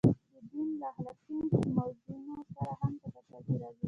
د دین له اخلاقي موازینو سره هم په ټکر کې راځي.